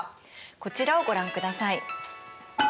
こちらをご覧ください。